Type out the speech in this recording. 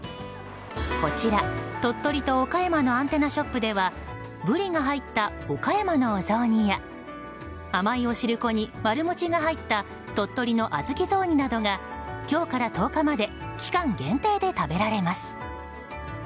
こちら、鳥取と岡山のアンテナショップではブリが入った岡山のお雑煮や甘いお汁粉に丸餅が入った鳥取の小豆雑煮などが今日から１０日まで期間限定で食べられます。